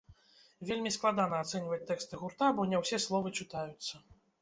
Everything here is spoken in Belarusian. Вельмі складана ацэньваць тэксты гурта, бо не ўсе словы чытаюцца.